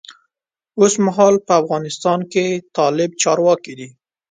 اوسمهال په افغانستان کې طالب چارواکی دی.